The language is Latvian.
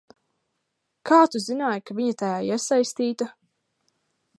Kā tu zināji, ka viņa tajā iesaistīta?